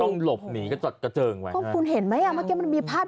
แล้วต้องหลบหนีกระจ่อนกว่องคุณเห็นไหมมันมีภาพ